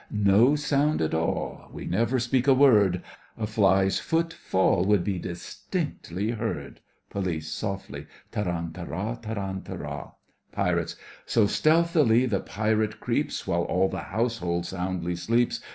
No sound at all! We never speak a word; A fly's foot fall Would be distinctly heard— POLICE: (softly) Tarantara, tarantara! PIRATES: So stealthily the pirate creeps, While all the household soundly sleeps.